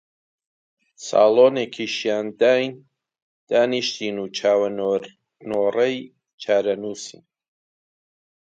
ساڵۆنێکی شان داین، دانیشتین و چاوەنۆڕی چارەنووسین